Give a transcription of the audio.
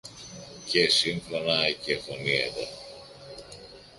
και σύμφωνα και φωνήεντα